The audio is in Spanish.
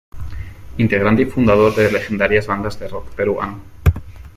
Integrante y fundador de legendarias bandas de rock peruano.